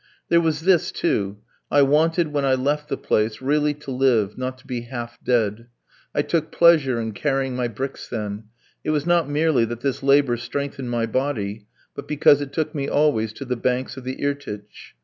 There was this, too: I wanted, when I left the place, really to live, not to be half dead. I took pleasure in carrying my bricks, then; it was not merely that this labour strengthened my body, but because it took me always to the banks of the Irtych.